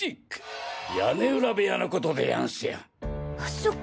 屋根裏部屋のことでやんすよ。